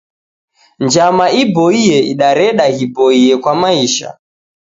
Njama iboie idareda ghiboie kwa maisha.